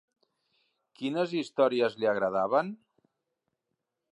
Quines històries li agradaven?